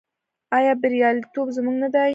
آیا بریالیتوب زموږ نه دی؟